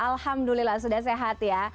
alhamdulillah sudah sehat ya